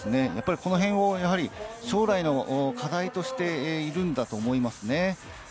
この辺を将来の課題としているんだと思いますね。